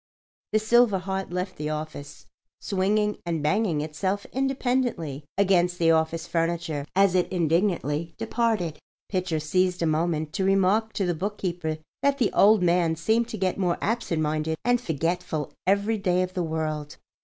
The silver heart left the office, swinging and banging itself independently against the office furniture as it indignantly departed. Pitcher seized a moment to remark to the bookkeeper that the "old man" seemed to get more absent minded and forgetful every day of the world.